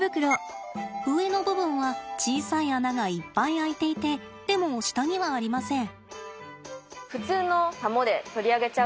上の部分は小さい穴がいっぱい開いていてでも下にはありません。